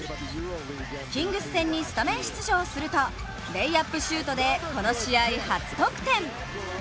キングス戦にスタメン出場するとレイアップシュートでこの試合、初得点。